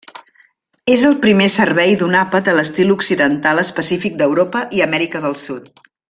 És el primer servei d'un àpat a l'estil occidental específic d'Europa i Amèrica del Sud.